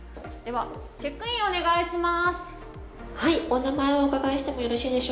チェックインお願いします。